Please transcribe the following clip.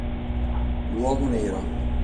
L'uomo nero